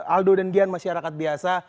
aldo dan dian masyarakat biasa